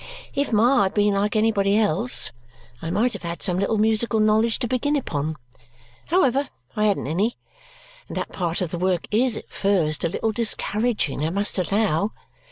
If Ma had been like anybody else, I might have had some little musical knowledge to begin upon. However, I hadn't any; and that part of the work is, at first, a little discouraging, I must allow.